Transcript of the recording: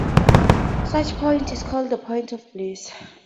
Such point is called "the point of bliss".